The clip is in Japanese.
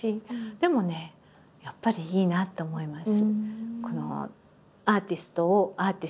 でもねやっぱりいいなって思います。